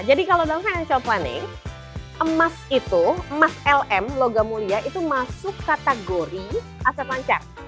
jadi kalau dalam financial planning emas itu emas lm logam muria itu masuk kategori aset lancar